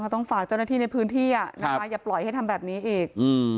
ต้องฝากเจ้าหน้าที่ในพื้นที่อย่าปล่อยให้ทำแบบนี้อีก